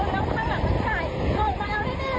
โดดม์มาแล้วไม่ได้เลยเฮ้ยทำไมไม่ไงดี